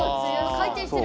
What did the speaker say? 回転してる。